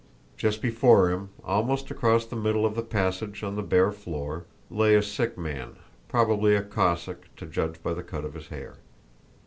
Just before him, almost across the middle of the passage on the bare floor, lay a sick man, probably a Cossack to judge by the cut of his hair.